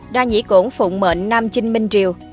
đa nhĩ cổn phụng mệnh nam chinh minh triều